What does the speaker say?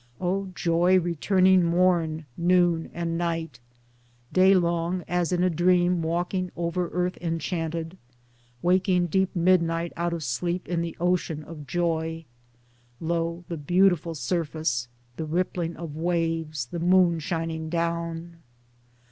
O joy returning morn noon and night ! day long as in a dream walking over earth enchanted, waking deep mid night out of sleep in the ocean of joy ! [Lo ! the beautiful surface, the rippling of waves, the moon shining down.